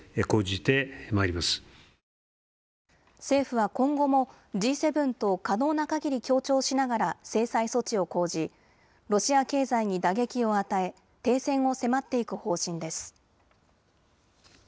政府は今後もＧ７と可能なかぎり協調しながら制裁措置を講じロシア経済に打撃を与え停戦を迫っていく方針です。